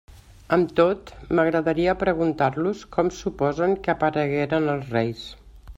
Amb tot, m'agradaria preguntar-los com suposen que aparegueren els reis.